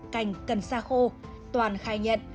cảnh cần xa khô toàn khai nhận